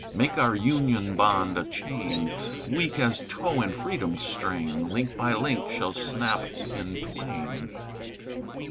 "Make our Union bond a chain, Weak as tow in Freedom's strain Link by link shall snap in twain.